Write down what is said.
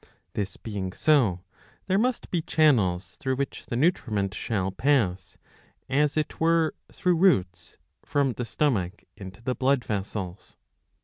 . This being so, there must be channels through which the nutriment shall pass, as it were through roots,^ from the stomach into the blood vessels.